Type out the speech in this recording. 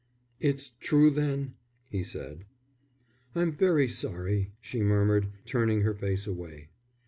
"It's true, then?" he said. "I'm very sorry," she murmured, turning her face away.